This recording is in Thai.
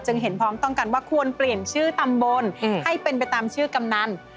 เห็นพร้อมต้องกันว่าควรเปลี่ยนชื่อตำบลให้เป็นไปตามชื่อกำนัน